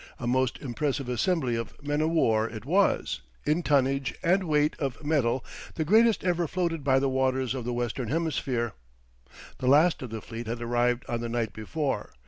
A most impressive assembly of men o' war it was, in tonnage and weight of metal the greatest ever floated by the waters of the western hemisphere. The last of the fleet had arrived on the night before.